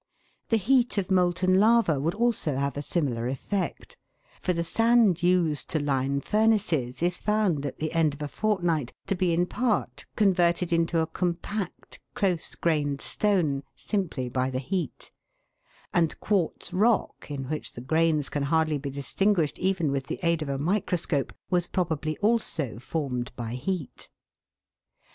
The heat of molten lava would also have a similar effect, for the sand used to line furnaces is found at the end of a fortnight to be in part converted into a compact, close grained stone, simply by the heat ; and quartz rock, in which the grains can hardly be distinguished even with the aid of a microscope, was probably also formed by heat.